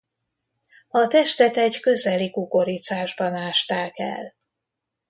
A testet egy közeli kukoricásban ásták el.